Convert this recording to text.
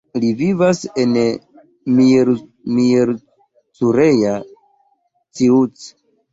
Li vivas en Miercurea Ciuc.